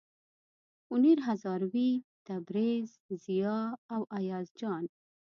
منیر هزاروي، تبریز، ضیا او ایاز جان.